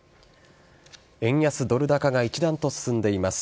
円安ドル高が一段と進んでいます。